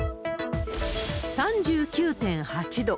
３９．８度。